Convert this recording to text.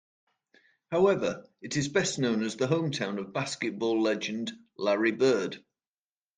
However, it is best known as the hometown of basketball legend Larry Bird.